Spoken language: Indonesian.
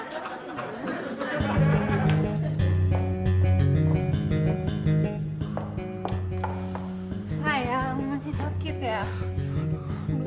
sayang masih sakit ya